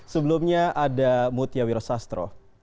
sebelumnya ada mutiawira sastro terima kasih